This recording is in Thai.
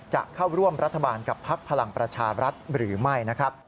จะเข้าร่วมรัฐบาลกับพักพลังประชาบรัฐหรือไม่นะครับ